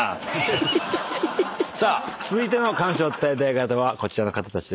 続いての感謝を伝えたい方はこちらの方たちです。